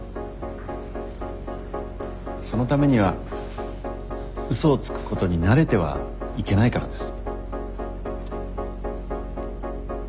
そのためには嘘をつくことに慣れてはいけないからです。